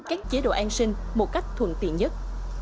các chế độ an sinh một cách thuận tiện nhất